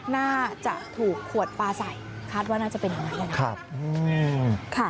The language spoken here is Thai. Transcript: น่าจะถูกขวดปลาใส่คาดว่าน่าจะเป็นอย่างนั้นนะครับ